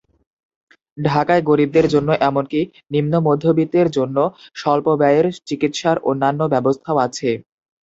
ঢাকায় গরিবদের জন্য এমনকি নিম্ন মধ্যবিত্তের জন্য স্বল্পব্যয়ের চিকিৎসার অন্যান্য ব্যবস্থাও আছে।